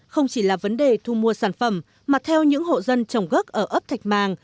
không chỉ là vấn đề thu mua sản phẩm mà theo những hộ dân trồng gốc ở ấp thạch màng